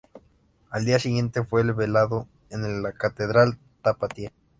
Al día siguiente fue velado en la Catedral tapatía.